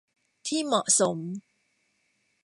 ที่เหมาะสม